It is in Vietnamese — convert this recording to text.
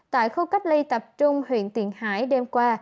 tại khu cách ly tập trung huyện tiền hải đêm qua